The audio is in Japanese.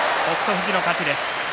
富士の勝ちです。